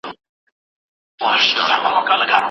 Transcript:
په بغارو په فریاد سول له دردونو